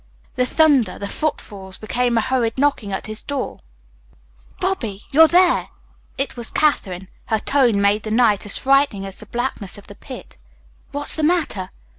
The thunder, the footfalls, became a hurried knocking at his door. "Bobby! You're there " It was Katherine. Her tone made the night as frightening as the blackness of the pit. "What's the matter?"